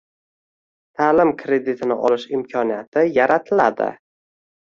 ta’lim kreditini olish imkoniyati yaratiladi.